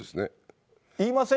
言いません？